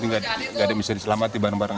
tidak ada yang bisa diselamatkan bareng bareng